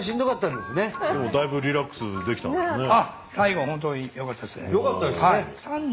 でもだいぶリラックスできたんですね。